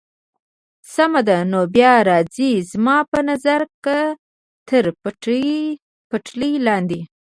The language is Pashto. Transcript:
سمه ده، نو بیا راځئ، زما په نظر که تر پټلۍ لاندې.